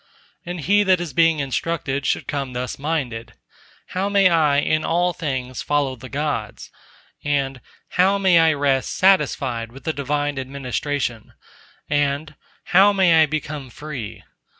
And he that is being instructed should come thus minded:—How may I in all things follow the Gods; and, How may I rest satisfied with the Divine Administration; and, How may I become free?